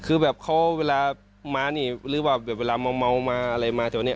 คือแบบเขาเวลามานี่หรือว่าแบบเวลาเมามาอะไรมาแถวนี้